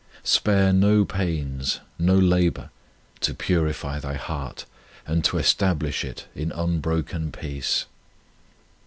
1 Spare no pains, no labour, to purify thy heart and to establish it in unbroken peace.